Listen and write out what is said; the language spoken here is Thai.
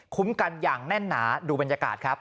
กันอย่างแน่นหนาดูบรรยากาศครับ